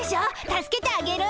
助けてあげる。